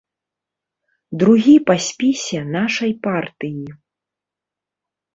Другі па спісе нашай партыі.